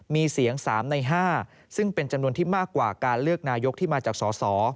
มีเสียง๓ใน๕ซึ่งเป็นจำนวนที่มากกว่าการเลือกนายกที่มาจากสส